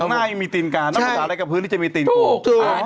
น้ำไน่มีตีนกันนักภาษาอะไรกับพื้นนี่จะมีตีนกู